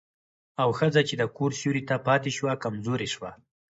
او ښځه چې د کور سيوري ته پاتې شوه، کمزورې شوه.